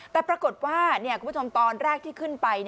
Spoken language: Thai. แต่ปรากฏว่าคุณผู้ชมตอนแรกที่ขึ้นไป